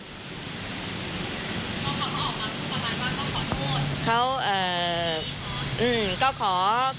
พี่น้องเขาออกมาคือประมาณว่าเขาขอโทษ